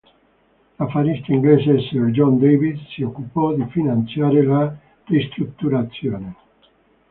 L'affarista inglese Sir John Davis si occupò di finanziare la ristrutturazione.